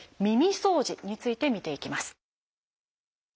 耳そうじについて見ていきます。